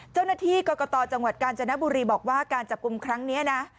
เจ้าหน้าที่กรกตจังหวัดกาญจนบุรีบอกว่าการจับกลุ่มครั้งนี้นะ